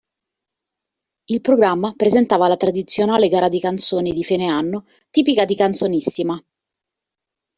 Il programma presentava la tradizionale gara di canzoni di fine anno tipica di Canzonissima.